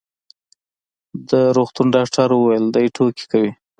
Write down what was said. د روغتون ډاکټر وویل: دی ټوکې کوي.